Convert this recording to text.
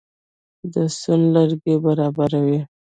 د سون لرګي برابروي.